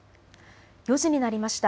４時になりました。